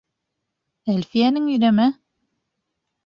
— Әлфиәнең иреме?